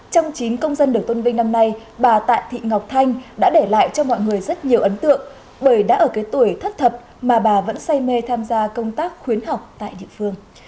trong chín công dân được tôn vinh năm nay bà tạ thị ngọc thanh đã để lại cho mọi người rất nhiều ấn tượng bởi đã ở cái tuổi thất thập mà bà vẫn say mê tham gia công tác khuyến học tại địa phương